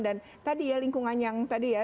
dan tadi ya lingkungan yang tadi ya